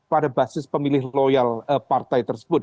pada basis pemilih loyal partai tersebut